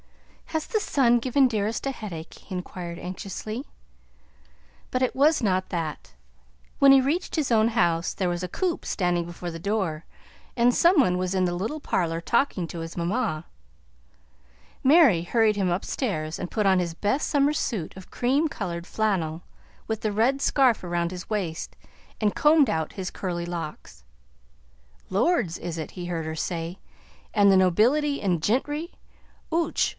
"Has the sun given Dearest a headache?" he inquired anxiously. But it was not that. When he reached his own house there was a coupe standing before the door and some one was in the little parlor talking to his mamma. Mary hurried him upstairs and put on his best summer suit of cream colored flannel, with the red scarf around his waist, and combed out his curly locks. "Lords, is it?" he heard her say. "An' the nobility an' gintry. Och!